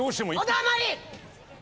お黙り！